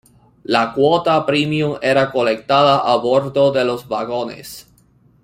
La cuota premium era colectada a bordo de los vagones.